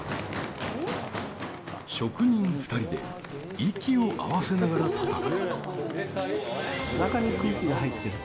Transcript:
職人２人で息を合わせながら、たたく。